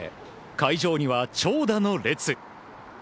会場には長蛇の列。